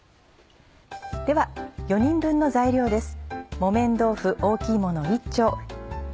では４人分の材料です。